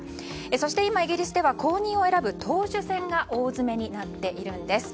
そして今、イギリスでは後任を選ぶ党首選が大詰めになっているんです。